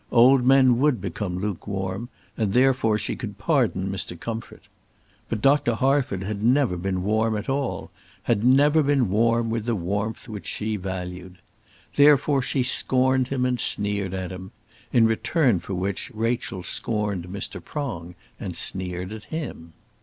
Old men would become lukewarm, and therefore she could pardon Mr. Comfort. But Dr. Harford had never been warm at all, had never been warm with the warmth which she valued. Therefore she scorned him and sneered at him. In return for which Rachel scorned Mr. Prong and sneered at him.